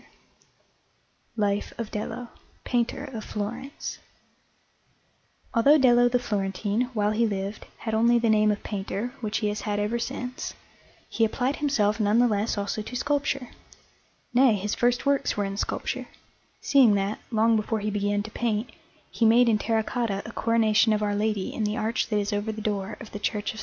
DELLO LIFE OF DELLO PAINTER OF FLORENCE Although Dello the Florentine, while he lived, had only the name of painter, which he has had ever since, he applied himself none the less also to sculpture nay, his first works were in sculpture, seeing that, long before he began to paint, he made in terra cotta a Coronation of Our Lady in the arch that is over the door of the Church of S.